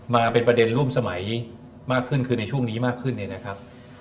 มาเป็นประเด็นร่วมสมัยมากขึ้นคือในช่วงนี้มากขึ้นเนี่ยนะครับ